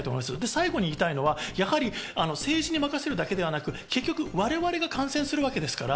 最後に言いたいのはやはり政治に任せるだけではなく、結局われわれが感染するわけですから。